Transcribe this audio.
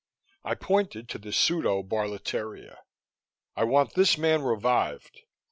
I pointed to the pseudo Barletteria. "I want this man revived."